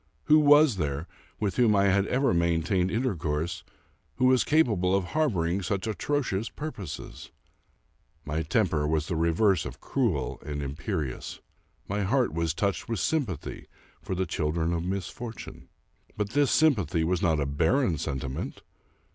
Who was there, with whom I had ever maintained intercourse, who was capable of harboring such atrocious purposes ? My temper was the reverse of cruel and imperious. My heart was touched with sympathy for the children of mis fortune. But this sympathy was not a barren sentiment.